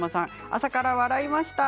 朝から笑いました。